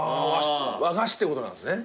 和菓子ってことなんすね？